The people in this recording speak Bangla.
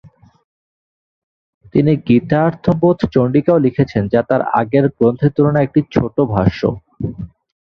তিনি 'গীতার্থবোধচণ্ডিকা'ও লিখেছেন যা তার আগের গ্রন্থের তুলনায় একটি ছোট ভাষ্য।